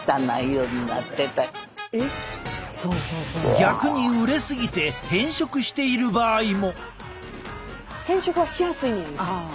逆に熟れすぎて変色している場合も！